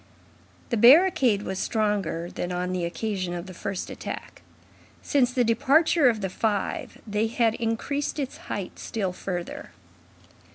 The barricade was stronger than on the occasion of the first attack. Since the departure of the five, they had increased its height still further.